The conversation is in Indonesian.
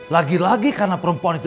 lagi lagi karena perempuan itu